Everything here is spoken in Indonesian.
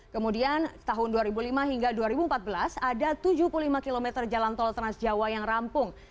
kemudian tahun dua ribu lima hingga dua ribu empat belas ada tujuh puluh lima km jalan tol transjawa yang rampung